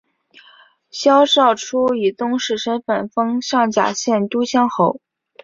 萧韶初以宗室身份封上甲县都乡侯。